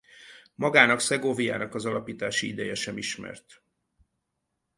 Magának Segoviának az alapítási ideje sem ismert.